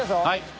はい。